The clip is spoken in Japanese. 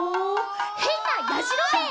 へんなやじろべえ」